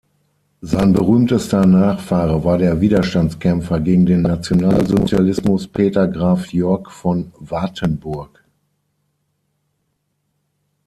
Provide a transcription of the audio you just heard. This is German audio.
Sein berühmtester Nachfahre war der Widerstandskämpfer gegen den Nationalsozialismus Peter Graf Yorck von Wartenburg.